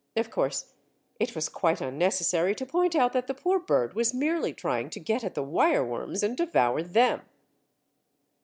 Of course it was quite unnecessary to point out that the poor bird was merely trying to get at the wireworms and devour them!